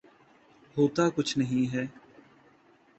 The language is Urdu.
ہوتا کچھ نہیں ہے۔